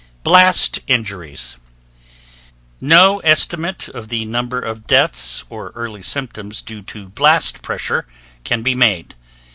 BLAST INJURIES No estimate of the number of deaths or early symptoms due to blast pressure can be made.